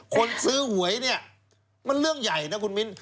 คนซื้อหวยเนี่ยมันเรื่องใหญ่นะคุณมิ้น